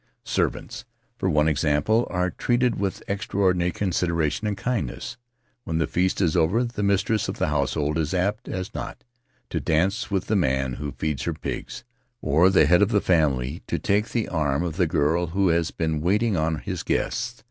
Servants, for one example, are treated with extraor dinary consideration and kindliness; when the feast is over the mistress of the household is apt as not to dance with the man who feeds her pigs, or the head of the family to take the arm of the girl who has been waiting on his guests.